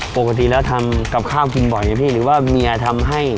ปกติแล้วทำกับข้าวกินบ่อยไงพี่หรือว่าเมียทำให้